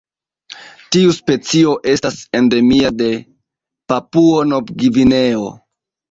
Tiu specio estas endemia de Papuo-Nov-Gvineo.